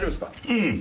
うん。